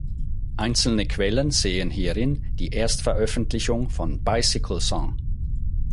Einzelne Quellen sehen hierin die Erstveröffentlichung von "Bicycle Song".